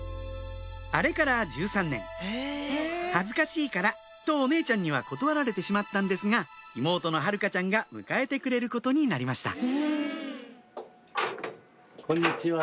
「恥ずかしいから」とお姉ちゃんには断られてしまったんですが妹の晴香ちゃんが迎えてくれることになりましたこんにちは。